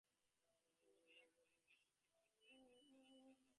পশুর মত ইহা কেবল ইন্দ্রিয়সুখ, কেবল স্নায়ুর ক্ষণিক উত্তেজনার পশ্চাতে ধাবমান।